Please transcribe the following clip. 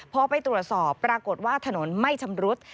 พอไปตรวจสอบปรากฏว่าถนนไม่ชำรุด